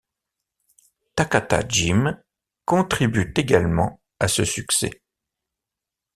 Takkata-Jim contribue également à ce succès.